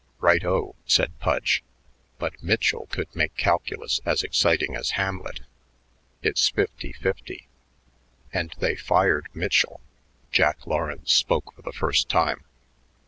"Right o," said Pudge. "But Mitchell could make calculus as exciting as 'Hamlet.' It's fifty fifty." "And they fired Mitchell." Jack Lawrence spoke for the first time.